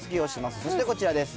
そしてこちらです。